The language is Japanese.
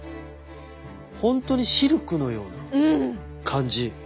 本当にシルクのような感じ。